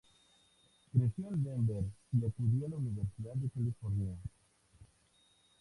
Creció en Denver y acudió a la Universidad de California.